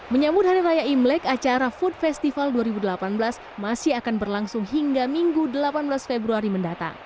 menyambut hari raya imlek acara food festival dua ribu delapan belas masih akan berlangsung hingga minggu delapan belas februari mendatang